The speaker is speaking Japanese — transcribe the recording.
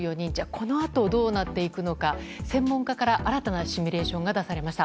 このあと、どうなっていくのか専門家から新たなシミュレーションが出されました。